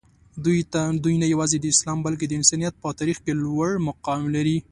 دوي نه یوازې د اسلام بلکې د انسانیت په تاریخ کې لوړ مقام لري.